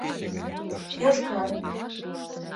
Йошкар